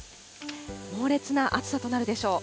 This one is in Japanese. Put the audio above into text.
猛烈な暑さとなるでしょう。